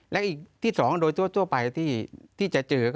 และอีกที่สองโดยทั่วไปที่